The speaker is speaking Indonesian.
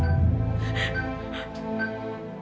dia sudah berakhir